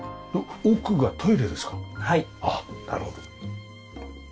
あっなるほど。